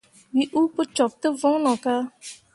We uu pǝ cok tǝ voŋno ka.